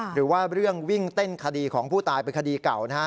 หรือว่าเรื่องวิ่งเต้นคดีของผู้ตายเป็นคดีเก่านะฮะ